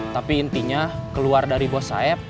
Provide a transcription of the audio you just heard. tapi intinya keluar dari bos sayap